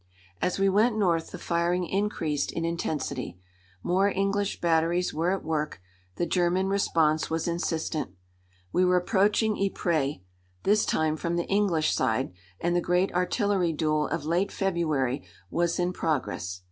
As we went north the firing increased in intensity. More English batteries were at work; the German response was insistent. We were approaching Ypres, this time from the English side, and the great artillery duel of late February was in progress.